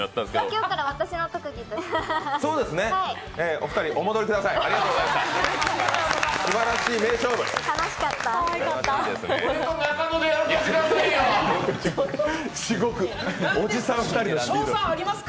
今日から私の特技としていきます。